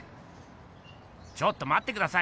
ちょっとまってください！